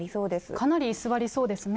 かなり居座りそうですね。